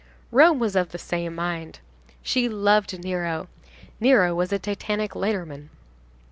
Rome was of the same mind. She loved Nero. Nero was a titanic lighterman.